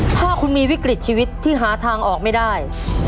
ถ้าคุณมีวิกฤตชีวิตที่หาทางออกไม่ได้